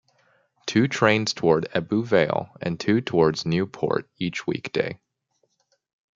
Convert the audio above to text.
Two trains towards Ebbw Vale and two towards Newport each weekday.